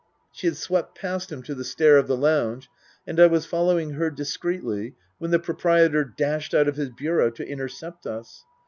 She had swept past him to the stair of the lounge, and I was following her discreetly when the proprietor dashed out of his bureau to intercept us.